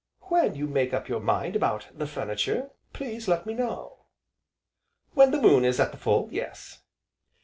"When you make up your mind about the furniture, please let me know." "When the moon is at the full, yes."